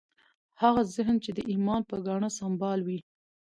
هغه ذهن چې د ایمان په ګاڼه سمبال وي